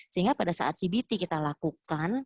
sehingga pada saat cbt kita lakukan